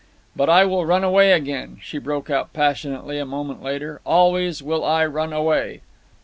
"But I will run away again," she broke out passionately, a moment later. "Always will I run away."